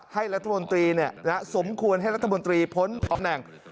ให้รัฐบนตรีเนี่ยสมควรให้รัฐบนตรีพ้นพร้อมแหล่ง